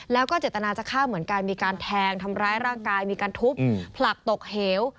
แล้วก็เจตนาจะฆ่าเหมือนกันมีการแทงทำร้ายร่างกายมีการทุบผลักตกเหว